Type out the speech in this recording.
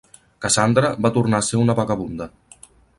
Cassandra va tornar a ser una vagabunda.